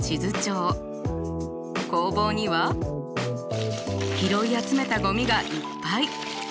工房には拾い集めたゴミがいっぱい！